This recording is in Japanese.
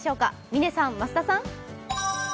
嶺さん、増田さん。